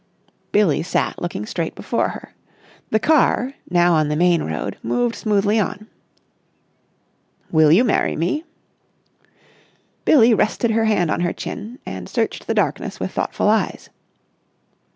Billie sat looking straight before her. The car, now on the main road, moved smoothly on. "Will you marry me?" Billie rested her hand on her chin and searched the darkness with thoughtful eyes.